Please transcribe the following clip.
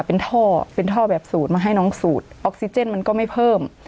เป็นท่อเป็นท่อแบบสูตรมาให้น้องสูดออกซิเจนมันก็ไม่เพิ่ม